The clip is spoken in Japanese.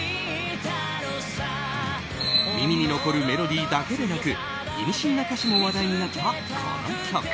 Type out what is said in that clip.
耳に残るメロディーだけでなく意味深な歌詞も話題になったこの曲。